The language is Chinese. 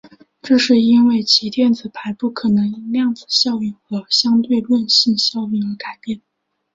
这是因为其电子排布可能因量子效应和相对论性效应而改变。